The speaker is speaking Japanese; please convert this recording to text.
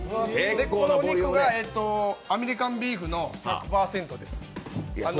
お肉がアメリカンビーフの１００％です。